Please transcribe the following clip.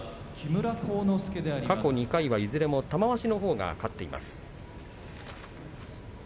過去２回はいずれも玉鷲のほうが勝っています。